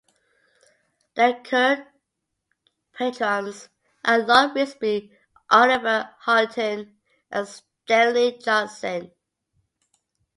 The current patrons are Lord Risby, Oliver Hylton and Stanley Johnson.